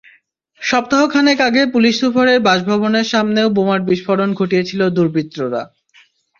সপ্তাহ খানেক আগে পুলিশ সুপারের বাসভবনের সামনেও বোমার বিস্ফোরণ ঘটিয়েছিল দুর্বৃত্তরা।